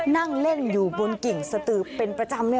นั่งเล่นอยู่บนกิ่งสตือเป็นประจำ